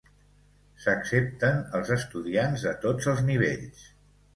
S'accepten els estudiants de tots els nivells.